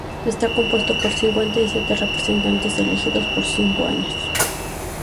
Está compuesto por cincuenta y siete representantes elegidos por cinco años.